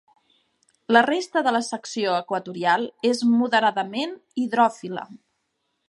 La resta de la secció equatorial és moderadament hidròfila.